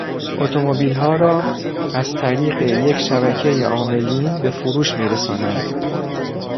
اتومبیلها را از طریق یک شبکه عاملین به فروش میرسانند.